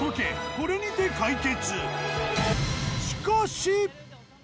これにて解決。